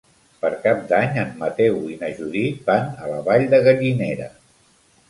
Per Cap d'Any en Mateu i na Judit van a la Vall de Gallinera.